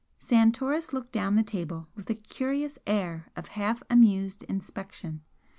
Santoris looked down the table with a curious air of half amused inspection.